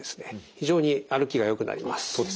非常に歩きがよくなります。